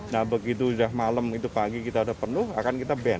nah begitu sudah malam itu pagi kita sudah penuh akan kita ban